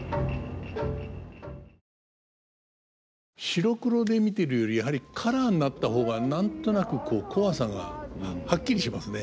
白黒で見てるよりやはりカラーになった方が何となくコワさがはっきりしますね。